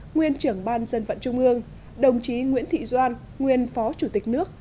nguyên trưởng ban dân vận trung ương đồng chí nguyễn thị doan nguyên phó chủ tịch nước